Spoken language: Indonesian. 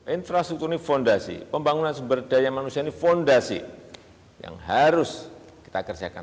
infrastruktur ini fondasi pembangunan sumber daya manusia ini fondasi yang harus kita kerjakan